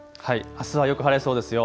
あすはよく晴れそうですよ。